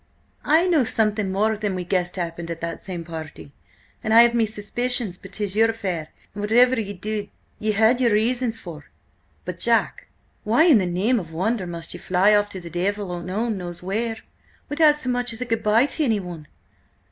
"I know something more than we guessed happened at that same party, and I have me suspicions, but 'tis your affair, and whatever ye did ye had your reasons for. But, Jack, why in the name of wonder must ye fly off to the devil alone knows where, without so much as a good bye to anyone?"